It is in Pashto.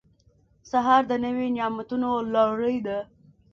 سهار د نوي نعمتونو لړۍ ده.